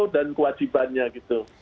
dan kewajibannya gitu